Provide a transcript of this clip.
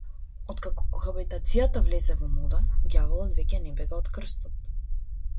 Откако кохабитацијата влезе во мода, ѓаволот веќе не бега од крстот.